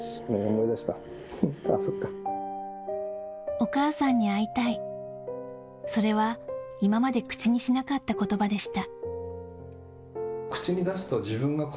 お母さんに会いたい、それは今まで口にしなかった言葉でした。